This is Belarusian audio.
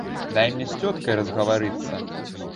Дай мне з цёткай разгаварыцца.